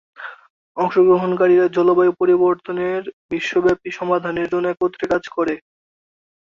অংশগ্রহণকারীরা জলবায়ু পরিবর্তনের বিশ্বব্যাপী সমাধানের জন্য একত্রে কাজ করেন।